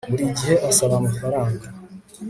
buri gihe asaba amafaranga